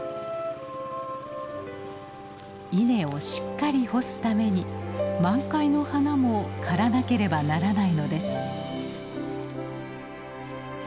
稲をしっかり干すために満開の花も刈らなければならないのです。